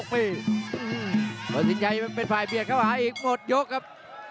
วันสินชัยมันเป็นฝ่ายเบียดเข้าหาอีกหมดยกครับ